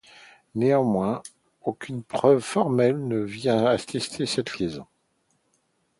Néanmoins, aucune preuve formelle ne vient attester cette liaison.